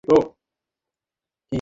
কাজে যেতে হবে তোকে।